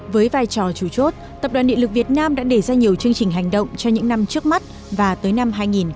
với vai trò chủ chốt tập đoàn điện lực việt nam đã để ra nhiều chương trình hành động cho những năm trước mắt và tới năm hai nghìn hai mươi